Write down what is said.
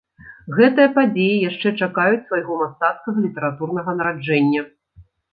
Гэтыя падзеі яшчэ чакаюць свайго мастацкага літаратурнага нараджэння.